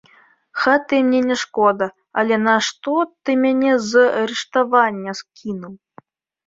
Хаты мне не шкода, але нашто ты мяне з рыштавання скінуў?